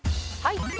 はい。